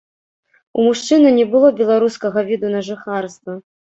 У мужчыны не было беларускага віду на жыхарства.